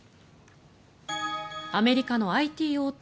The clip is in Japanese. アメリカのＩＴ大手